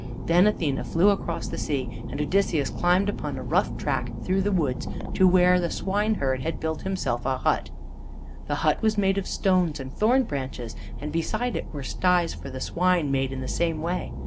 Then Athene flew across the sea, and Odysseus climbed up a rough track through the woods to where the swineherd had built himself a hut. The hut was made of stones and thorn branches, and beside it were sties for the swine made in the same way.